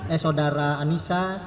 eh saudara anissa